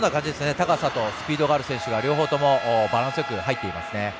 高さとスピードがある選手が両方とも入ってますね。